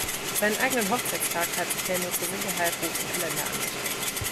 Seinen eigenen Hochzeitstag hat sich Helmut zur Sicherheit rot im Kalender angestrichen.